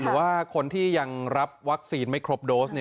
หรือว่าคนที่ยังรับวัคซีนไม่ครบโดส